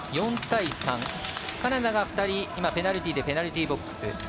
４対３、カナダが今２人ペナルティ−でペナルティーボックス。